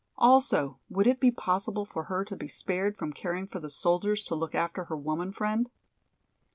Also would it be possible for her to be spared from caring for the soldiers to look after her woman friend?